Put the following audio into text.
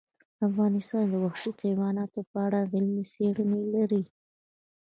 افغانستان د وحشي حیوانات په اړه علمي څېړنې لري.